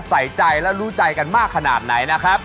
ใส่ใจและรู้ใจกันมากขนาดไหนนะครับ